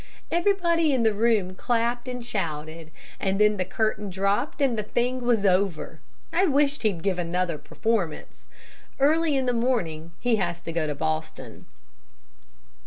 Everybody in the room clapped and shouted, and then the curtain dropped, and the thing was over. I wish he'd give another performance. Early in the morning he has to go to Boston."